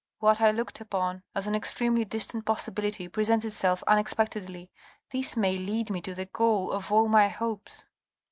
What I looked upon as an extremely distant possibility presents itself unexpectedly. This may lead me to the goal of all my hopes."